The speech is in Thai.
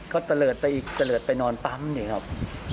เขาเตลิดไปอีกเตลิดไปนอนปั๊มเนี่ยครับ